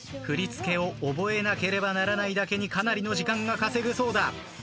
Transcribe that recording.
振り付けを覚えなければならないだけにかなりの時間が稼げそうだ。